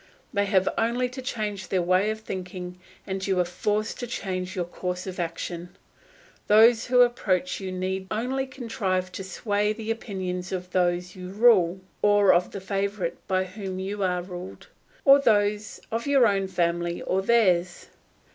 They have only to change their way of thinking and you are forced to change your course of action. Those who approach you need only contrive to sway the opinions of those you rule, or of the favourite by whom you are ruled, or those of your own family or theirs.